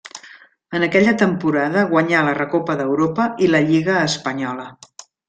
En aquella temporada guanyà la Recopa d'Europa i la Lliga espanyola.